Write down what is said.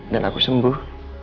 dan aku sembuh